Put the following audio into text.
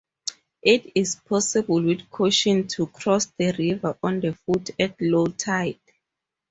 It is possible, with caution, to cross the river on foot at low tide.